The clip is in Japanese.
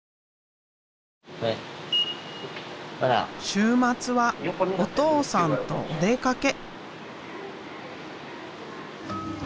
週末はお父さんとお出かけ。